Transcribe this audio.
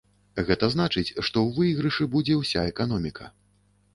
Гэта значыць, што ў выйгрышы будзе ўся эканоміка.